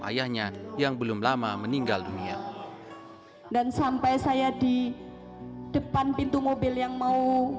ayahnya yang belum lama meninggal dunia dan sampai saya di depan pintu mobil yang mau